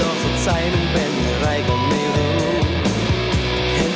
โลกสุดใสมันเป็นอะไรก็ไม่เห็น